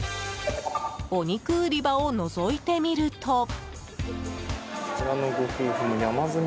お肉売り場をのぞいてみると。